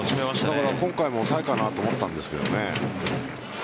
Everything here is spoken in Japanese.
今回も抑えかなと思ったんですけどね。